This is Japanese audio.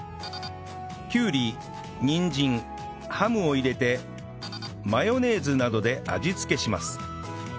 きゅうりニンジンハムを入れてマヨネーズなどで味付けします